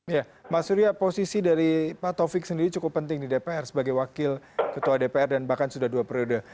ya mas surya posisi dari pak taufik sendiri cukup penting di dpr sebagai wakil ketua dpr dan bahkan sudah dua periode